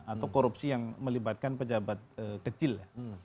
atau korupsi yang melibatkan pejabat kecil ya